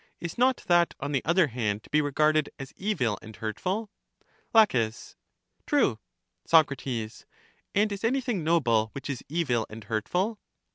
Is not that, on the other hand, to be regarded as evil and hurtful? La. True. Soc. And is anything noble which is evil and hurt ful?